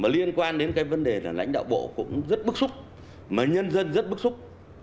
liên quan đến vấn đề lãnh đạo bộ cũng rất bức xúc nhân dân rất bức xúc